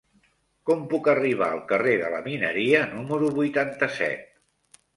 Com puc arribar al carrer de la Mineria número vuitanta-set?